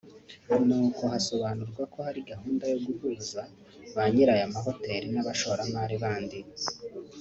nuko hasobanurwa ko hari gahunda yo guhuza ba nyiri aya mahoteli n’abashoramari bandi